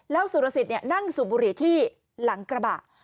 แล้วสุรสิทธิ์นั่งสูบบุหรี่ที่หลังกระบะ